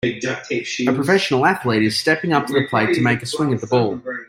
A professional athlete is stepping up to the plate to make a swing at the ball.